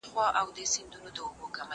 سپينکۍ د مور له خوا مينځل کيږي!!